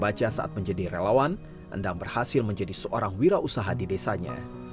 tbm yang ia baca saat menjadi relawan ndang berhasil menjadi seorang wirausaha di desanya